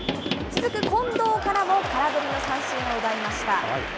続く近藤からも空振りの三振を奪いました。